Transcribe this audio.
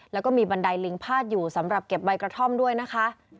แล้วก็มีบันไดลิงพาดอยู่สำหรับเก็บใบกระท่อมด้วยนะคะ